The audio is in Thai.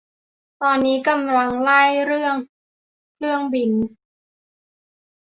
ตอนนี้กำลังร่ายเรื่องเครื่องบิน